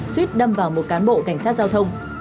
suýt đâm vào một cán bộ cảnh sát giao thông